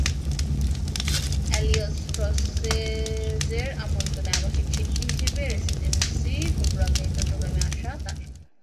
Alliance ফ্রঁসেজের আমন্ত্রণে আবাসিক শিল্পী হিসেবে রেসিডেন্সি প্রোগ্রামে চট্টগ্রামে আসা তাঁর।